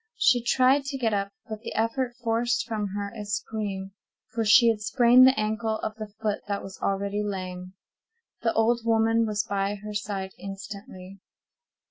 She tried to get up, but the effort forced from her a scream, for she had sprained the ankle of the foot that was already lame. The old woman was by her side instantly.